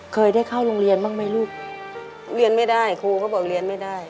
เคยได้เข้าโรงเรียนบ้างไหมลูกเรียนไม่ได้ครูก็บอกเรียนไม่ได้